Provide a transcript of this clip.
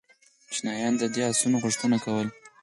چینایانو د دې آسونو غوښتنه کوله